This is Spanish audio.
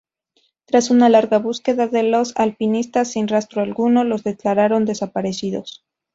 Tras una larga búsqueda de los alpinistas sin rastro alguno, los declararon desaparecidos.